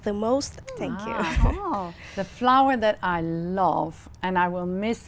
cho người đức